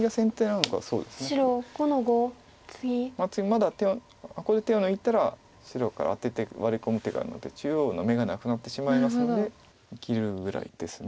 まあこれで手を抜いたら白からアテてワリ込む手があるので中央の眼がなくなってしまいますので生きるぐらいです。